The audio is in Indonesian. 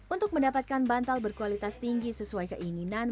untuk mendapatkan bantal berkualitas tinggi sesuai keinginan